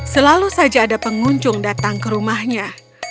selalu saja ada pengunjung datang ke rumahnya